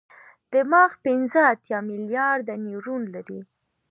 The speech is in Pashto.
دماغ پنځه اتیا ملیارده نیورون لري.